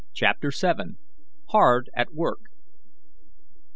CHAPTER VII. HARD AT WORK.